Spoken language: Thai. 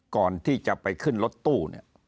ก่อนที่จะไปขึ้นรถตู้